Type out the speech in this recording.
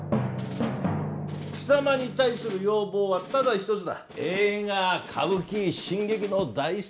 貴様に対する要望はただ一つだ。